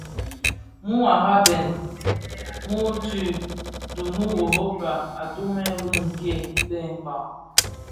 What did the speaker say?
Muu araben, muturk dhi muu Europa atumè bi nke bè nkpag.